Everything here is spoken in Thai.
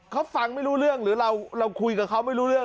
เขาฟังไม่รู้เรื่องหรือเราคุยกับเขาไม่รู้เรื่อง